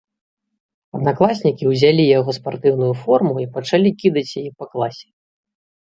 Аднакласнікі ўзялі яго спартыўную форму і пачалі кідаць яе па класе.